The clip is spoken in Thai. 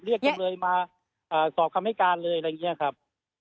จำเลยมาสอบคำให้การเลยอะไรอย่างนี้ครับ